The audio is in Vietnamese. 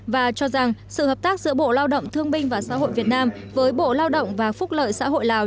và cho rằng sự hợp tác giữa bộ lao động thương binh và xã hội việt nam với bộ lao động và phúc lợi xã hội lào